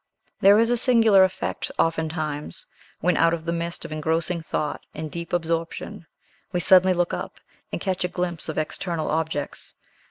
There is a singular effect oftentimes when, out of the midst of engrossing thought and deep absorption, we suddenly look up, and catch a glimpse of external objects.